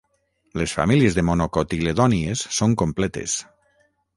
Les famílies de monocotiledònies són completes.